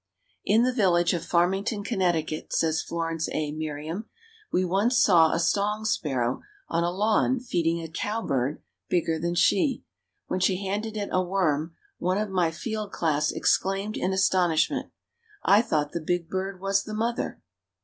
"In the village of Farmington, Conn.," says Florence A. Merriam, "we once saw a song sparrow on a lawn feeding a cowbird bigger than she. When she handed it a worm, one of my field class exclaimed in astonishment, 'I thought the big bird was the mother!'"